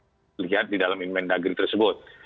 karena ini poin kinabel melihat di dalam in main dagri tersebut